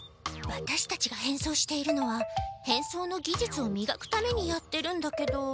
ワタシたちが変装しているのは変装のぎじゅつをみがくためにやってるんだけど。